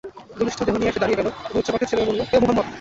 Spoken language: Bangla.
বলিষ্ঠ দেহ নিয়ে সে দাঁড়িয়ে গেল এবং উচ্চ কণ্ঠ ছেড়ে বলল, হে মুহাম্মদ!